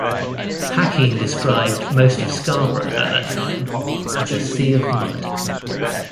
Hacking described most of Scarborough at that time as a "sea of mud".